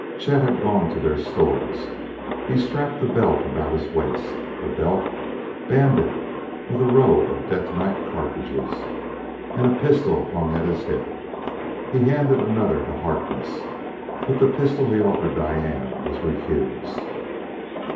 Chet had gone to their stores. He strapped a belt about his waist, a belt banded with a row of detonite cartridges, and a pistol hung at his hip. He handed another to Harkness. But the pistol he offered Diane was refused.